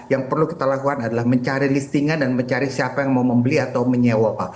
yang perlu kita lakukan adalah mencari listingan dan mencari siapa yang mau membeli atau menyewa pak